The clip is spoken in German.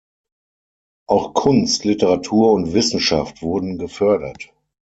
Auch Kunst, Literatur und Wissenschaft wurden gefördert.